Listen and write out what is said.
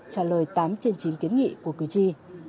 trả lời tám trên chín kiến nghị của cử tri